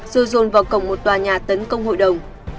rồi dồn vào cổng một tòa nhà tấn công hội đồng